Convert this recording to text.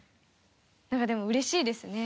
なんかでもうれしいですね。